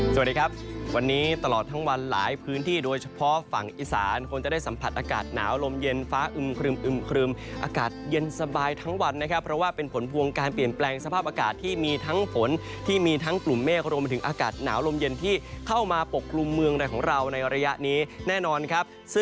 สวัสดีครับวันนี้ตลอดทั้งวันหลายพื้นที่โดยเฉพาะฝั่งอีสานคงจะได้สัมผัสอากาศหนาวลมเย็นฟ้าอึมครึมครึมอากาศเย็นสบายทั้งวันนะครับเพราะว่าเป็นผลพวงการเปลี่ยนแปลงสภาพอากาศที่มีทั้งฝนที่มีทั้งกลุ่มเมฆรวมไปถึงอากาศหนาวลมเย็นที่เข้ามาปกกลุ่มเมืองในของเราในระยะนี้แน่นอนครับ